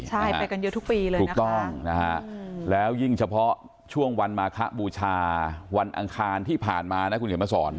ใช่ไปกันเยอะทุกปีเลยถูกต้องนะฮะแล้วยิ่งเฉพาะช่วงวันมาคบูชาวันอังคารที่ผ่านมานะคุณเขียนมาสอน